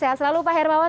sehat selalu pak hermawan